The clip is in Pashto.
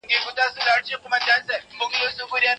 که خشونت زیات سي نو ټولنیز نظم له منځه ځي.